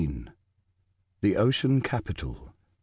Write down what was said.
THE OCEAN CAPITAL.